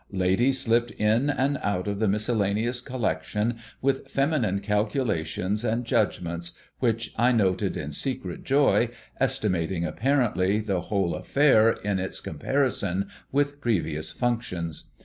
Ladies slipped in and out of the miscellaneous collection with feminine calculations and judgments, which I noted in secret joy, estimating, apparently, the whole affair in its comparison with previous functions.